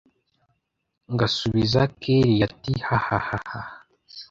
ngasubiza kellia ati hahahahaha